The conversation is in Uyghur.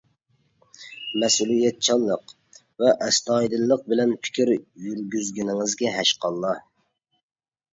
مەسئۇلىيەتچانلىق ۋە ئەستايىدىللىق بىلەن پىكىر يۈرگۈزگىنىڭىزگە ھەشقاللا!